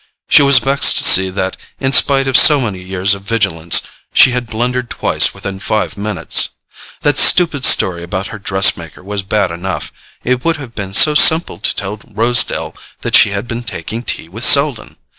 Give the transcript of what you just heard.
She was vexed to see that, in spite of so many years of vigilance, she had blundered twice within five minutes. That stupid story about her dress maker was bad enough—it would have been so simple to tell Rosedale that she had been taking tea with Selden!